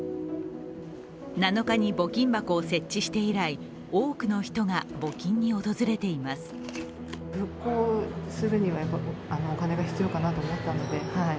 ７日に募金箱を設置して以来多くの人が募金に訪れています。